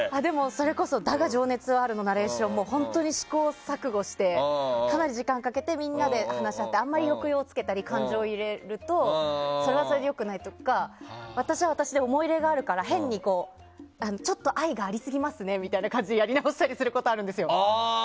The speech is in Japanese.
それこそ「だが、情熱はある」のナレーションも本当に試行錯誤して時間かけてみんなで話し合ってあまり抑揚をつけたり感情を入れるとそれはそれで良くないとか私は私で思い入れがあるからちょっと愛がありすぎますねみたいな感じでやり直したりすることがあるんですよ。